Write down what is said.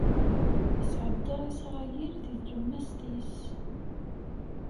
Isɛedda Isṛayil di tlemmast-is.